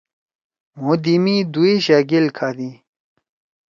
مھو دی می دُوایشا گیل کھادی۔